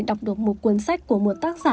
đọc được một cuốn sách của một tác giả